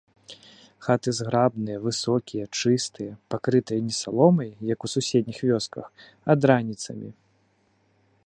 Хаты зграбныя, высокія, чыстыя, пакрытыя не саломай, як у суседніх вёсках, а драніцамі.